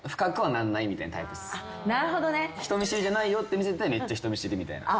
人見知りじゃないよって見せてめっちゃ人見知りみたいな。